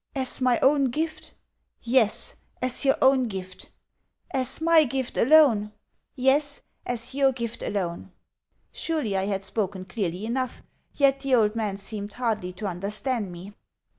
"As my own gift?" "Yes, as your own gift." "As my gift alone?" "Yes, as your gift alone." Surely I had spoken clearly enough, yet the old man seemed hardly to understand me.